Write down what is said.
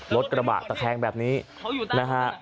รถกระบะตะแคงแบบนี้นะฮะ